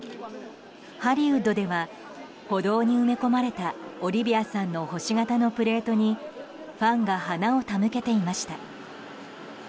ハリウッドでは歩道に埋め込まれたオリビアさんの星形のプレートにファンが花を手向けていました。